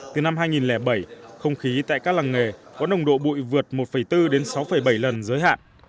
từ năm hai nghìn bảy không khí tại các làng nghề có nồng độ bụi vượt một bốn đến sáu bảy lần giới hạn